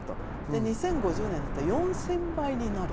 ２０５０年だったら４０００倍になる。